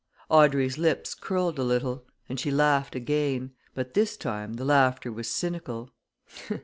Audrey's lips curled a little, and she laughed again but this time the laughter was cynical.